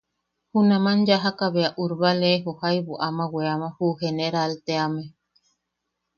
Junaman yajaka bea Urbalejo jaibu ama weama ju Generaal teame.